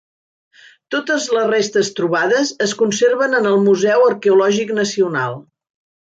Totes les restes trobades es conserven en el Museu Arqueològic Nacional.